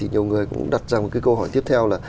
nhiều người cũng đặt ra một cái câu hỏi tiếp theo là